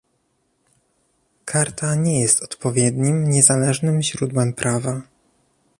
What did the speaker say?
Karta nie jest odpowiednim niezależnym źródłem prawa